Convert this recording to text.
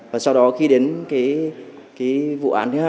và sau đó khi đến vụ án thứ hai